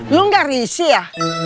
lu gak risih ya